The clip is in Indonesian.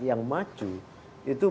yang maju itu